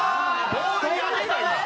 ボールに当てたが。